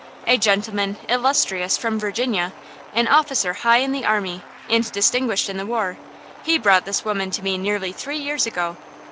A gentleman, illustrious, from Virginia, an officer high in the army, and distinguished in the war, he brought this woman to me nearly three years ago.